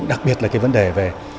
đặc biệt là cái vấn đề về